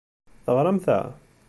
Teɣṛam ta?